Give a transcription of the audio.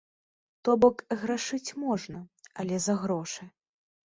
То-бок грашыць можна, але за грошы.